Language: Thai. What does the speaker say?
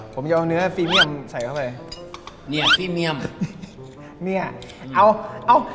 ผมจะเอาเนื้อฟรีเมียมใส่เข้าไปเนี่ยฟรีเมียมเมียเอาเอา